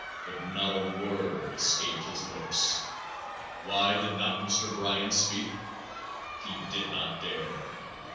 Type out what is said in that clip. But not a word escaped his lips. Why did not Mr. Byran speak? He did not dare.